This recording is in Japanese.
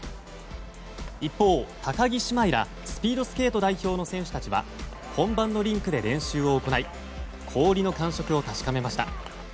一方、高木姉妹らスピードスケート代表の選手たちは本番のリンクで練習を行い氷の感触を確かめました。